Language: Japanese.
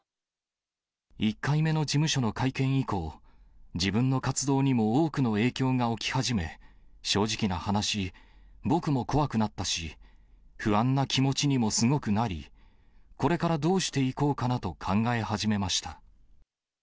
１回目の事務所の会見以降、自分の活動にも多くの影響が起き始め、正直な話、僕も怖くなったし、不安な気持ちにもすごくなり、これからどうしていこうかなと考え始めました。